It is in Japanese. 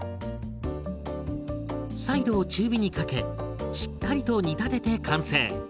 再度中火にかけしっかりと煮立てて完成。